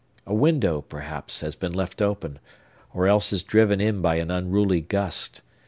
A window, perhaps, has been left open, or else is driven in by an unruly gust.